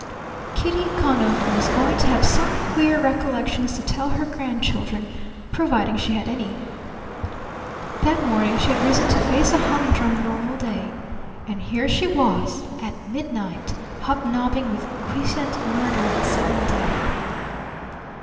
Kitty Conover was going to have some queer recollections to tell her grandchildren, providing she had any. That morning she had risen to face a humdrum normal day. And here she was, at midnight, hobnobbing with quiescent murder and sudden death!